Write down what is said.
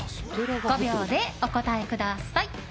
５秒でお答えください。